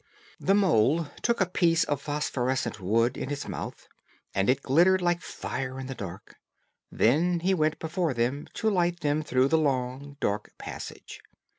The mole took a piece of phosphorescent wood in his mouth, and it glittered like fire in the dark; then he went before them to light them through the long, dark passage.